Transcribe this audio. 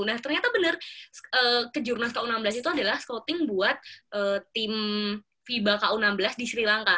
nah ternyata bener kejurnas ku enam belas itu adalah scouting buat tim fiba ku enam belas di sri lanka